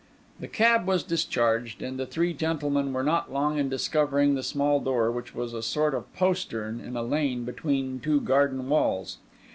The cab was discharged, and the three gentlemen were not long in discovering the small door, which was a sort of postern in a lane between two garden walls.